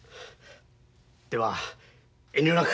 では遠慮なく。